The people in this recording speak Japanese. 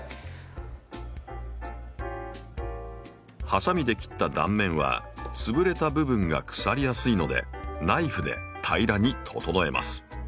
ハサミで切った断面は潰れた部分が腐りやすいのでナイフで平らに整えます。